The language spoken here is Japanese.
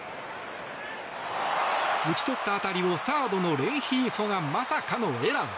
打ち取った当たりをサードのレンヒーフォがまさかのエラー。